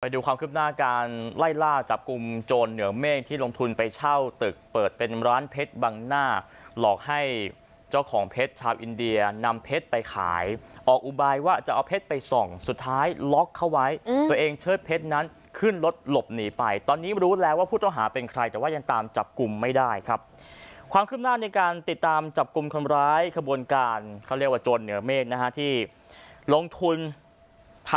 ไปดูความขึ้นหน้าการไล่ล่าจับกลุ่มโจรเหนือเมฆที่ลงทุนไปเช่าตึกเปิดเป็นร้านเพชรบังนาลอกให้เจ้าของเพชรชาวอินเดียนำเพชรไปขายออกอุบายว่าจะเอาเพชรไปส่องสุดท้ายล๊อคเขาไว้ตัวเองเชิดเพชรนั้นขึ้นรถหลบหนีไปตอนนี้รู้แล้วว่าผู้ต้องหาเป็นใครแต่ว่ายังตามจับกลุ่มไม่ได้ครับความขึ้นหน้าในก